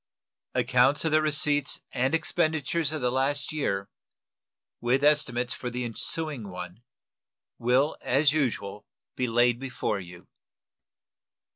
Accounts of the receipts and expenditures of the last year, with estimates for the ensuing one, will as usual be laid before you.